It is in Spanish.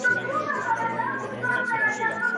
Fidel Herrera Beltrán.